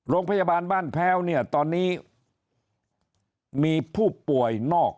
โรงพยาบาลบ้านแพ้วเนี่ยตอนนี้มีผู้ป่วยนอก